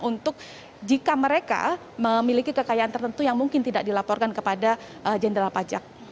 untuk jika mereka memiliki kekayaan tertentu yang mungkin tidak dilaporkan kepada jenderal pajak